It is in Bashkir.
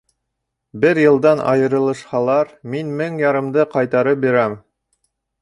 Бер йылдан айырылышһалар, мин мең ярымды ҡайтарып бирәм.